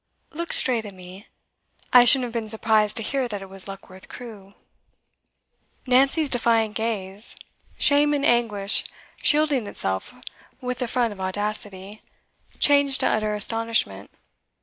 'Look straight at me. I shouldn't have been surprised to hear that it was Luckworth Crewe.' Nancy's defiant gaze, shame in anguish shielding itself with the front of audacity, changed to utter astonishment.